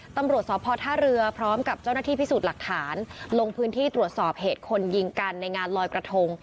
ตำรวจสพท่าเรือพร้อมกับเจ้าหน้าที่พิสูจน์หลักฐานลงพื้นที่ตรวจสอบเหตุคนยิงกันในงานลอยกระทง